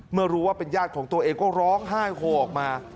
เมื่อรู้ว่าเป็นญาติของตัวเองก็ร้องไห้โฮออกมา